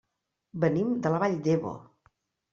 Venim de la Vall d'Ebo.